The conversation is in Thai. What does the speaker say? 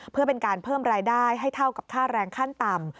เพื่อเป็นการเพิ่มรายได้ให้เท่ากับค่าแรงขั้นต่ำ